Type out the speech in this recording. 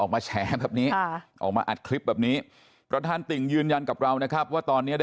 ไม่เห็นครับเพราะมันมืดมันห่างกันเยอะ